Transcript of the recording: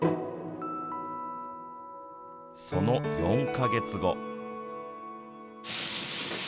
その４か月後。